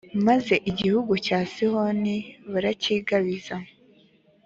maze igihugu cya sihoni baracyigabiza.